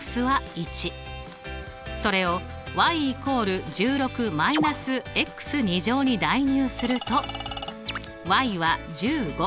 それを＝１６−に代入するとは１５。